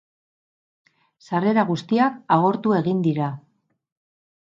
Sarrera guztiak agortu egin dira.